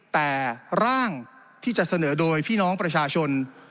แต่ร่างที่จะเสนอโดยพี่น้องประชาชน